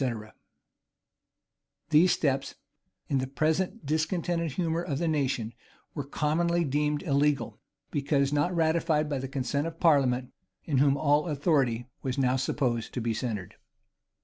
[] These steps, in the present discontented humor of the nation, were commonly deemed illegal; because not ratified by consent of parliament, in whom all authority was now supposed to be centred.